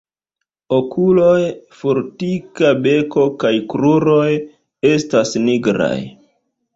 Okuloj, fortika beko kaj kruroj estas nigraj.